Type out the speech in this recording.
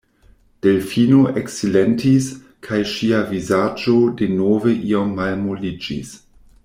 Delfino eksilentis, kaj ŝia vizaĝo denove iom malmoliĝis.